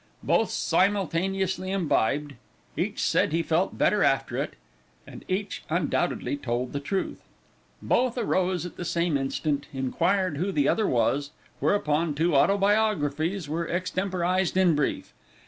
Both simultaneously imbibed. Each said he felt better after it, and each undoubtedly told the truth. Both arose at the same instant, inquired who the other was, whereupon two autobiographies were extemporized in brief.